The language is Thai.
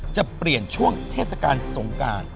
จะเปลี่ยนช่วงเทศกาลสงการ